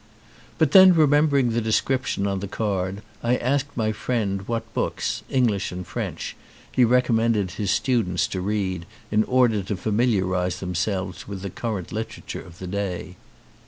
But then, remembering the description on the card, I asked my friend what books, English and French, he recommended his students to read in order to familiarise themselves with the current literature of the day.